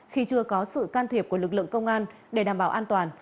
khi chưa có sự can thiệp của lực lượng công an để đảm bảo an toàn